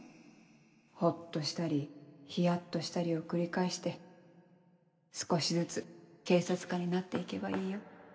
ホッとしたりヒヤっとしたりを繰り返して少しずつ警察官になって行けばいいよ